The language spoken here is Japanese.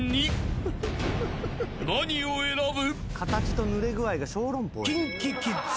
［何を選ぶ？］